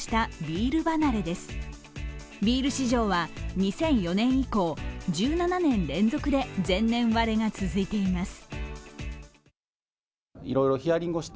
ビール市場は２００４年以降、１７年連続で前年割れが続いています。